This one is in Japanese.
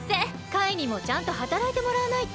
カイにもちゃんとはたらいてもらわないと。